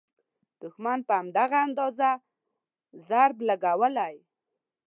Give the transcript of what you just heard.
دوښمن په همدغه اندازه ضرب لګولی.